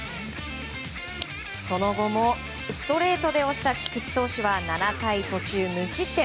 その後も、ストレートで押した菊池投手は７回途中無失点。